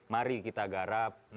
mari kita garap